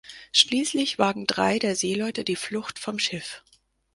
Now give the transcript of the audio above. Schließlich wagen drei der Seeleute die Flucht vom Schiff.